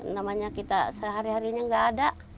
namanya kita sehari harinya nggak ada